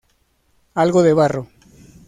Algo de barro.